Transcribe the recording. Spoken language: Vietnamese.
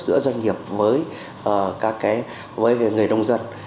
giữa doanh nghiệp với người nông dân